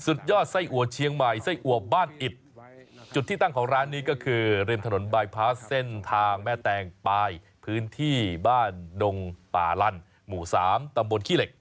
ยอดไส้อัวเชียงใหม่ไส้อัวบ้านอิดจุดที่ตั้งของร้านนี้ก็คือริมถนนบายพาสเส้นทางแม่แตงปลายพื้นที่บ้านดงป่าลันหมู่สามตำบลขี้เหล็ก